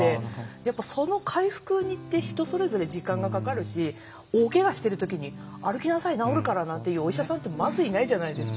やっぱその回復って人それぞれ時間がかかるし大けがしてる時に「歩きなさい治るから」なんて言うお医者さんってまずいないじゃないですか。